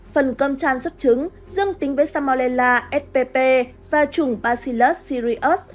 phần cơm tràn xuất trứng dương tính với samolella spp và trùng bacillus cereus